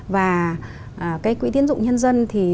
và quỹ tiến dụng nhân dân thì